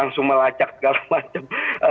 langsung melacak segala macam